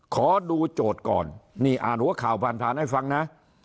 ขอดูโจทย์ก่อนนี่อ่านหัวข่าวผ่านผ่านให้ฟังนะ